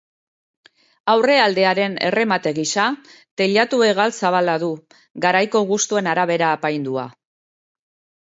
Aurrealdearen erremate gisa, teilatu-hegal zabala du, garaiko gustuen arabera apaindua.